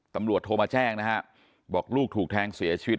โทรมาแจ้งนะฮะบอกลูกถูกแทงเสียชีวิต